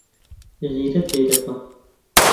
غیرەت لێ دەکەم.